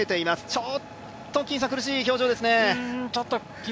ちょっと苦しい表情ですね。